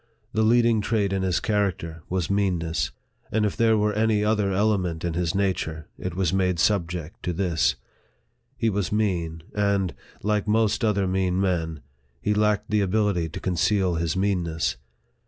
The leading trait in his character was meanness ; and if there were any other element in his nature, it was made subject to this. He was mean ; and, like most other mean men, he lacked the ability to conceal his meanness.